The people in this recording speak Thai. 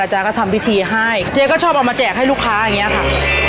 จ๊ก็ทำพิธีให้เจ๊ก็ชอบเอามาแจกให้ลูกค้าอย่างนี้ค่ะ